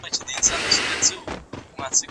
انارګل غوښتل چې د باران څاڅکي په خپل مخ حس کړي.